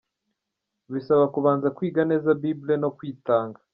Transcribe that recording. Bisaba kubanza kwiga neza Bible no Kwitanga.